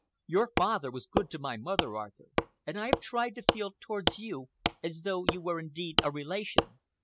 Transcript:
Your father was good to my mother, Arthur, and I have tried to feel towards you as though you were indeed a relation.